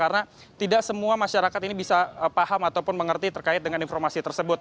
karena tidak semua masyarakat ini bisa paham ataupun mengerti terkait dengan informasi tersebut